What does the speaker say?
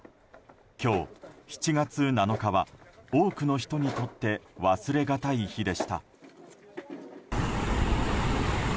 今日７月７日は多くの人にとって忘れがたい日でした。